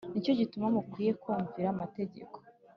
Ni cyo gituma mukwiriye kumvira amategeko